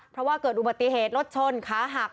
เพราะว่าเกิดอุบัติเหตุรถชนขาหัก